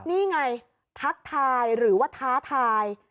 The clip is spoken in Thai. นี่ไงทักทายหรือว่าท้าทาย